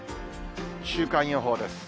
週間予報です。